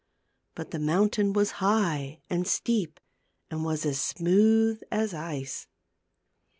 But the mountain was high and steep, and was as smooth as ice.